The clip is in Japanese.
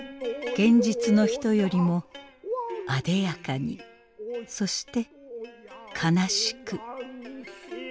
現実の人よりもあでやかにそして悲しく。